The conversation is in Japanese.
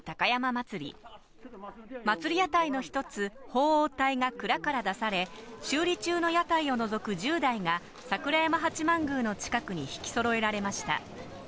祭屋台の一つ、鳳凰台が蔵から出され、修理中の屋台を除く１０台が、櫻山八幡宮の近くに曳き揃えられました。